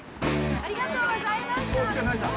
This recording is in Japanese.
ありがとうございます。